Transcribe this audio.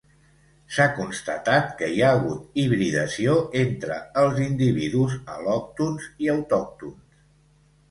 S'ha constatat que hi ha hagut hibridació entre els individus al·lòctons i autòctons.